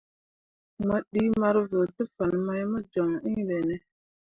Mo ɗii marvǝǝ te fan mai mo joŋ iŋ ɓene ?